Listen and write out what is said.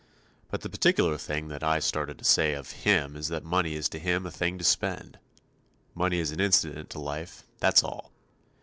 But the particular thing that I started to say of him is that money is to him a thing to spend. Money is an incident to life, that's all.